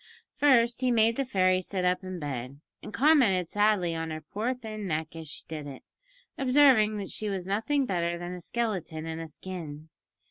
First he made the fairy sit up in bed, and commented sadly on her poor thin neck as she did it, observing that she was nothing better than a skeleton in a skin.